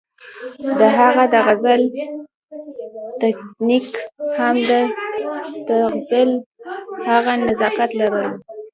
د هغه د غزل تکنيک هم د تغزل هغه نزاکت لرلو